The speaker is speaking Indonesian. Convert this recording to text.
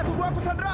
aku nggak ngerti deh